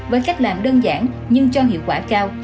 với cách làm đơn giản nhưng cho hiệu quả cao